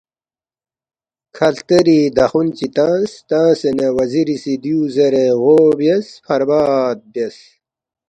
کھلتری دخون چی تنگس، تنگسے نہ وزیری سی دیُو زیرے غو بیاس، فریاد بیاس،